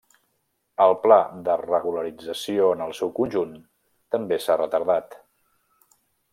El pla de regularització en el seu conjunt també s'ha retardat.